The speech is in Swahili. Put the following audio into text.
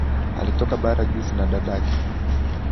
Alitoka bara juzi na dadake